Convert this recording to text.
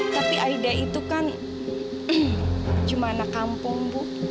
tapi aida itu kan cuma anak kampung bu